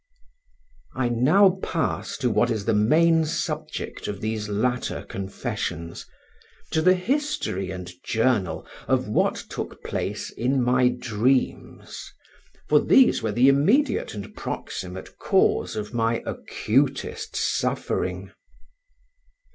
I now pass to what is the main subject of these latter confessions, to the history and journal of what took place in my dreams, for these were the immediate and proximate cause of my acutest suffering.